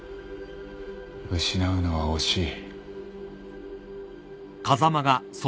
失うのは惜しい。